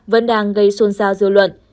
vẫn đang gây xuân xa dư luận